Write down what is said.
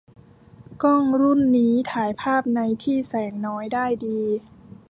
กล้องรุ่นนี้ถ่ายภาพในที่แสงน้อยได้ดี